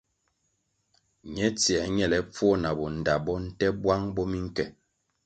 Ñe tsiē ñelepfuo na bo ndta bo, nte bwang bo minke.